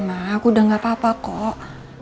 mah aku udah gak apa apa kok